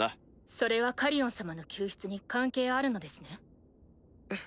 それはカリオン様の救出に関係あるのですね？